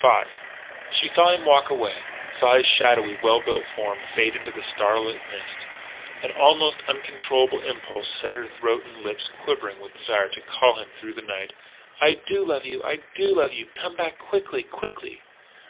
V She saw him walk away saw his shadowy, well built form fade into the starlit mist. An almost uncontrollable impulse set her throat and lips quivering with desire to call to him through the night, "I do love you! I do love you! Come back quickly, quickly!